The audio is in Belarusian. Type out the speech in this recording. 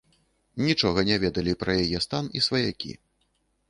Нічога не ведалі пра яе стан і сваякі.